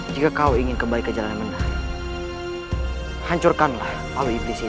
jika kau ingin kembali ke jalan yang benar hancurkanlah awal iblis itu